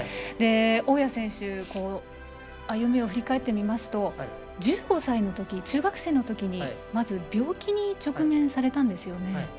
大矢選手、歩みを振り返ってみますと１５歳のとき、中学生のときまず病気に直面されたんですよね。